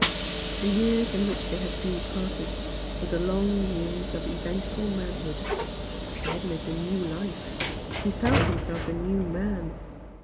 The years in which they had been parted were the long years of eventful manhood. He had lived a new life ; he felt himself a new man.